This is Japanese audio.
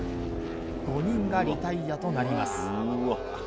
５人がリタイアとなります。